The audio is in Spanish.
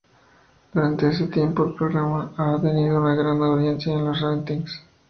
Durante ese tiempo, el programa ha tenido una gran audiencia en los ratings.